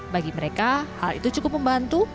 bagi mereka hal itu cukup membantu